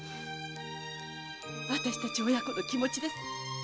私たち親子の気持ちです。